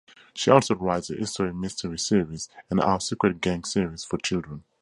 She also writes the History Mystery Series and Our Secret Gang series for children.